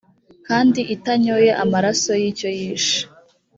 kandi itanyoye amaraso y’icyo yishe.